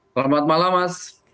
selamat malam mas